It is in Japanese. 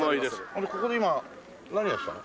あれここで今何やってたの？